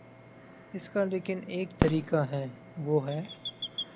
اس کا لیکن ایک طریقہ ہے، وہ ہے۔